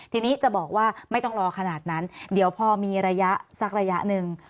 ทีนี้จะบอกว่าไม่ต้องรอขนาดนั้นเดี๋ยวพอมีระยะสักระยะหนึ่ง